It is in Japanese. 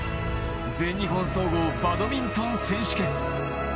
全日本総合バドミントン選手権。